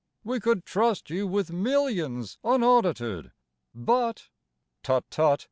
We could trust you with millions unaudited, but (Tut, tut!